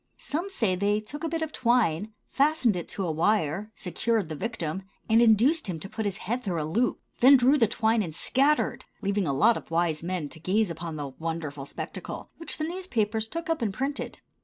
Some say they took a bit of twine, fastened it to a wire, secured the victim, and induced him to put his head through a loop; then drew the twine and scattered, leaving a lot of wise men to gaze upon the wonderful spectacle, which the newspapers took up and printed.